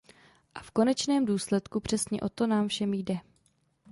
A v konečném důsledku přesně o to nám všem jde.